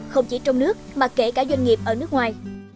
không chỉ trong nước mà kể cả doanh nghiệp ở nước ngoài